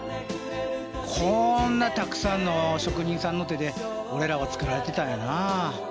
こんなたくさんの職人さんの手で俺らは作られてたんやな。